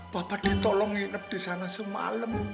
bapak ditolong nginep di sana semalam